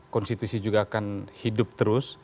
konstitusi juga akan hidup terus